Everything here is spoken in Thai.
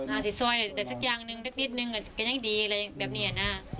อาศิษย์สวยแต่สักอย่างนึงเล็กนิดนึงก็ยังดีอะไรแบบนี้อ่ะนะ